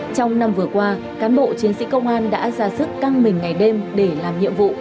trong năm vừa qua cán bộ chiến sĩ công an đã ra sức căng mình ngày đêm để làm nhiệm vụ